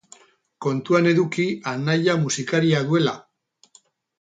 Kontuan eduki anaia musikaria duela.